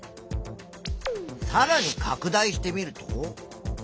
さらにかく大してみると。